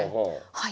はい。